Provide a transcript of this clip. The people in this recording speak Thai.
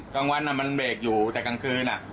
กลางวันมันเบรกอยู่แต่กลางคืน